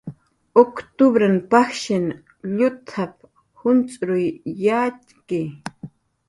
"Uctupr pajshin llutap"" juncx'ruy yatxki."